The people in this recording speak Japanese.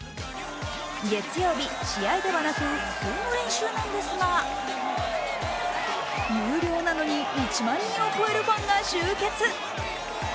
月曜日、試合ではなく練習なんですが有料なのに１万人を超えるファンが集結。